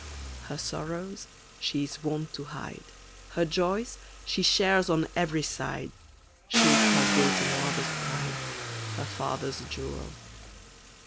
Her sorrows she is wont to hide, Her joys she shares on every side; She is her doting mother's pride, Her father's jewel.